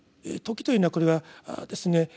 「時」というのはこれはですね